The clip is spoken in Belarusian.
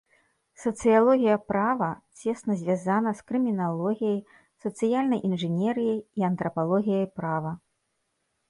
Сацыялогія правы цесна звязана з крыміналогіяй, сацыяльнай інжынерыяй і антрапалогіяй права.